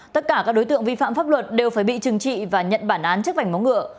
tất cả các đối tượng vi phạm pháp luật đều phải bị trừng trị và nhận bản án chức vảnh móng ngựa